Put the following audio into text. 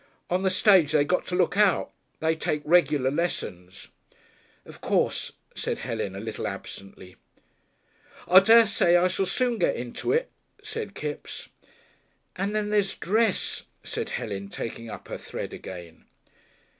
On the stage they got to look out. They take regular lessons." "Of course," said Helen, a little absently. "I dessay I shall soon get into it," said Kipps. "And then there's dress," said Helen, taking up her thread again.